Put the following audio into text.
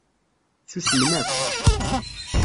Susmen akk.